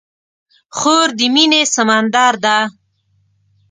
خور د مینې سمندر ده.